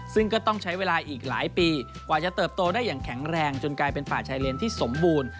ซึ่งก็ต้องใช้เวลาอีกหลายปีกว่าจะเติบโตได้อย่างแข็งแรงจนกลายเป็นป่าชายเลนที่สมบูรณ์